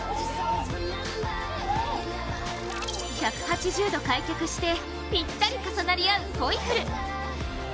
１８０度開脚してぴったりに重なり合うポイフル。